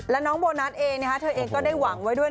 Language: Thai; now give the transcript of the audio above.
และน้องโบนัสเองเธอเองก็ได้หวังไว้ด้วย